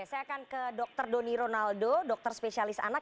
saya akan ke dr doni ronaldo dokter spesialis anak